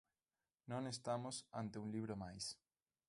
Non estamos ante un libro máis.